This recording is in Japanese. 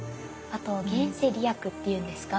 あと現世利益っていうんですか。